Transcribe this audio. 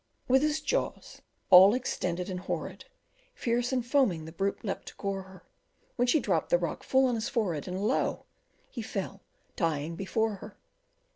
With his jaws all extended and horrid, Fierce and foaming, the brute leapt to gore her, When she dropped the rock full on his forehead, And lo! he fell dying before her.